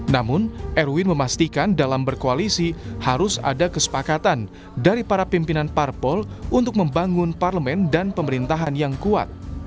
namun erwin memastikan dalam berkoalisi harus ada kesepakatan dari para pimpinan parpol untuk membangun parlemen dan pemerintahan yang kuat